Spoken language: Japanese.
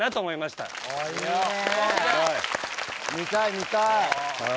見たい見たい。